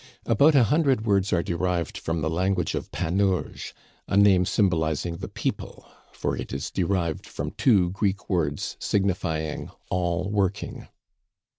About a hundred words are derived from the language of Panurge, a name symbolizing the people, for it is derived from two Greek words signifying All working.